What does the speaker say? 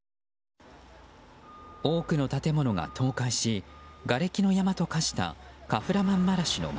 多くの建物が倒壊しがれきの山と化したカフラマンマラシュの街。